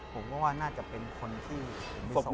ผมก็ว่าน่าจะเป็นคนที่มีสมอง